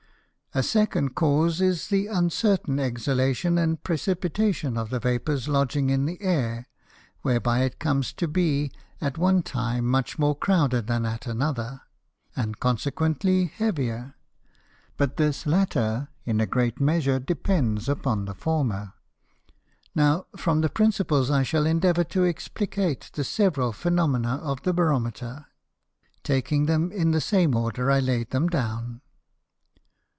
A second Cause is the uncertain Exhalation and Præcipitation of the Vapours lodging in the Air, whereby it comes to be at one time much more crowded than at another, and consequently heavier; but this latter in a great measure depends upon the former. Now from these Principles I shall endeavour to explicate the several Phænomena of the Barometer, taking them in the same order I laid them down.